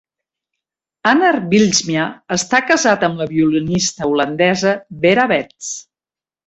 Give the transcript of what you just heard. Anner Bylsma està casat amb la violinista holandesa Vera Beths.